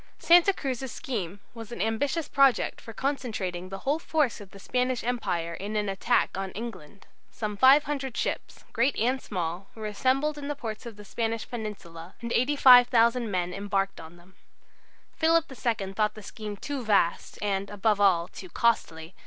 Santa Cruz's scheme was an ambitious project for concentrating the whole force of the Spanish Empire in an attack on England. Some 500 ships, great and small, were to be assembled in the ports of the Spanish peninsula, and 85,000 men embarked on them. Philip II thought the scheme too vast, and, above all, too costly.